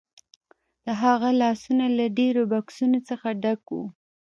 د هغه لاسونه له ډیرو بکسونو څخه ډک وو